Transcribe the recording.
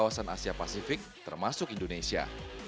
ada di kawasan asia pasifik termasuk indonesia